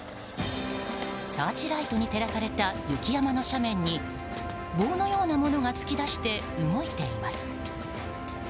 サーチライトに照らされた雪山の斜面に棒のようなものが突き出して動いています。